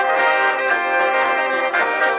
สวัสดีครับ